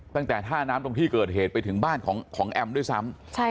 ตั้งแต่ท่าน้ำตรงที่เกิดเหตุไปถึงบ้านของแอมด้วยซ้ำ